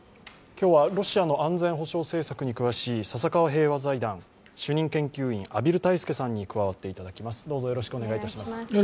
今日はロシアの安全保障政策に詳しい笹川平和財団主任研究員畔蒜泰助さんに加わっていただきます。